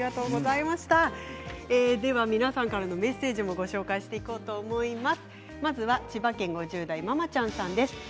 皆さんからのメッセージをご紹介していこうと思います。